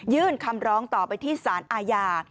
คำร้องต่อไปที่สารอาญา